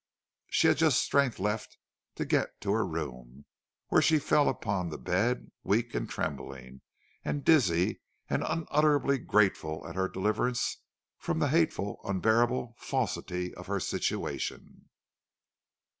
She had just strength left to get to her room, where she fell upon the bed, weak and trembling and dizzy and unutterably grateful at her deliverance from the hateful, unbearable falsity of her situation.